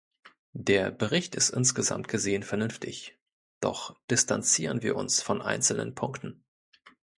Der Bericht ist insgesamt gesehen vernünftig, doch distanzieren wir uns von einzelnen Punkten.